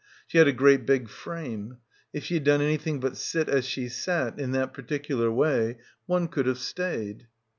She had a great big frame. If she had done anything but sit as she sat, in that particular way, one could have stayed.